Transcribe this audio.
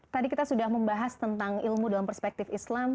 tadi kita sudah membahas tentang ilmu dalam perspektif islam